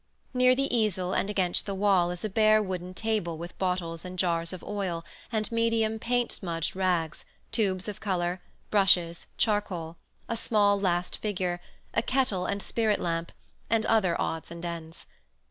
Near the easel and against the wall is a bare wooden table with bottles and jars of oil and medium, paint smudged rags, tubes of color, brushes, charcoal, a small lay figure, a kettle and spirit lamp, and other odds and ends.